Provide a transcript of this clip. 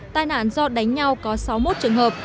tai nạn do đánh nhau có sáu mươi một trường hợp